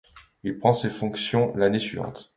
Il prend ses fonctions l'année suivante.